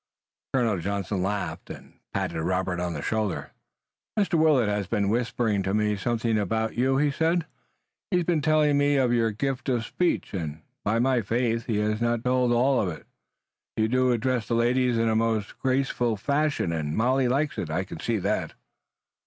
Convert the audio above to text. Colonel Johnson laughed, and patted Robert on the shoulder. "Mr. Willet has been whispering to me something about you," he said. "He has been telling me of your gift of speech, and by my faith, he has not told all of it. You do address the ladies in a most graceful fashion, and Molly likes it. I can see that."